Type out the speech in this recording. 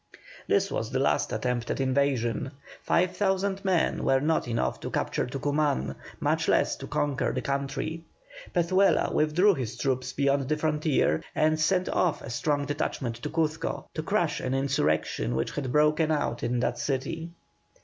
This was the last attempt at invasion; five thousand men were not enough to capture Tucuman, much less to conquer the country. Pezuela withdrew his troops beyond the frontier, and sent off a strong detachment to Cuzco to crush an insurrection which had broken out in that city.